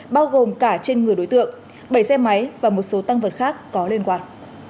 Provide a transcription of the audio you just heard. bao gồm cả trên người đối tượng bảy xe máy và một số tăng vật khác có liên quan